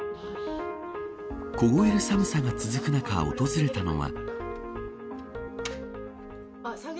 凍える寒さが続く中訪れたのは。